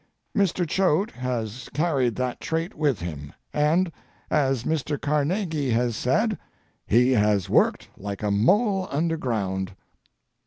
Mr. Choate has carried that trait with him, and, as Mr. Carnegie has said, he has worked like a mole underground.